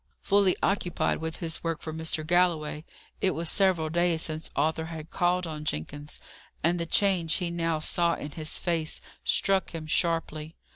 Fully occupied with his work for Mr. Galloway, it was several days since Arthur had called on Jenkins, and the change he now saw in his face struck him sharply.